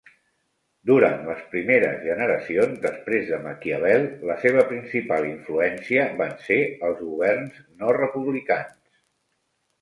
Durant les primeres generacions després de Maquiavel, la seva principal influència van ser els governs no republicans.